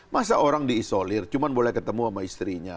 masa orang diisolir cuma boleh ketemu sama istrinya